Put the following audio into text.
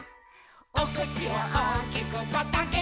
「おくちをおおきくパッとあけて」